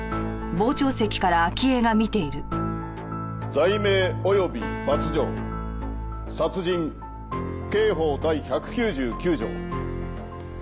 「罪名及び罰条」「殺人刑法第１９９条」